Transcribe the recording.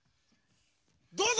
どうぞ！